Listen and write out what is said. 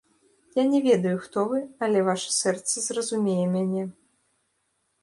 Я не ведаю, хто вы, але ваша сэрца зразумее мяне.